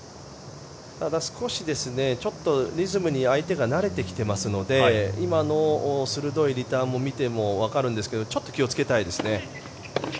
ただ、少しリズムに相手が慣れてきていますので今の鋭いリターンを見てもわかるんですけどちょっと気をつけたいですね。